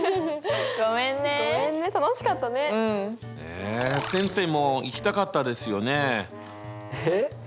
え先生も行きたかったですよね？